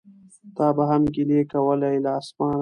تا به هم ګیلې کولای له اسمانه